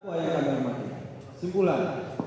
wajah dan hormat kesimpulan